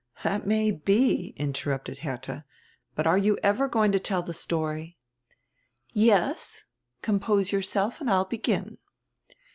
"That may be," interrupted Heitha. "But are you ever going to tell the story?" "Yes, compose yourself and I'll begin.